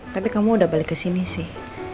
tapi kamu udah balik kesini sih